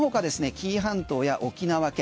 紀伊半島や沖縄県